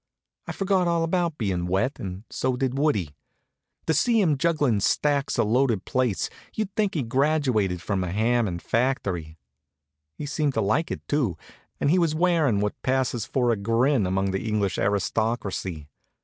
I forgot all about bein' wet, and so did Woodie. To see him jugglin' stacks of loaded plates you'd think he'd graduated from a ham and factory. He seemed to like it, too, and he was wearin' what passes for a grin among the English aristocracy.